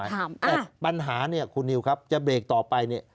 แต่ปัญหาเนี่ยคุณนิวครับจะเบรกต่อไปเนี่ย